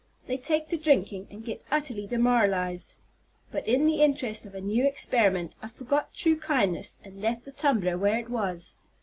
They take to drinking, and get utterly demoralized. But in the interest of a new experiment I forgot true kindness, and left the tumbler where it was.